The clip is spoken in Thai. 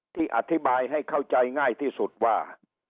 อธิบายให้เข้าใจง่ายที่สุดว่า